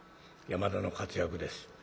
山田の活躍です。